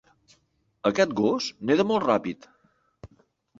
Aquest gos neda molt ràpid.